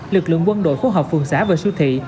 lực lượng quân đội phối hợp phường xã và siêu thị